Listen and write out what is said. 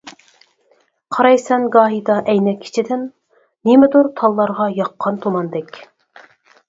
قارايسەن گاھىدا ئەينەك ئىچىدىن، نېمىدۇر تاللارغا ياغقان تۇماندەك.